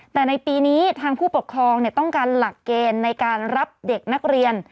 แต่ในปีนี้ทางผู้ปกครองต้องการหลักเกณฑ์ในการรับเด็กนักเรียน